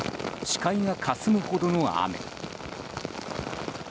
視界がかすむほどの雨。